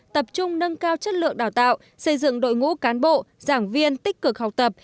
tập trung nâng cao chất lượng đào tạo xây dựng đội ngũ cán bộ giảng viên tích cực học tập